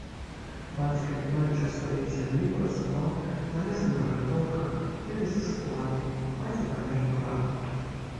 Бацька, не маючы сваёй зямлі, працаваў на лесанарыхтоўках і лесасплаве, маці памерла рана.